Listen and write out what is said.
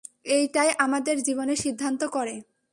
এইটাই আমাদের জীবনের সিদ্ধান্ত করে।